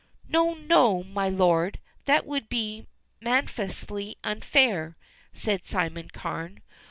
"No, no, my lord; that would be manifestly unfair," said Simon Carne.